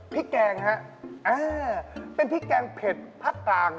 พริกแกงค่ะเป็นพริกแกงเผ็ดภาคกลาง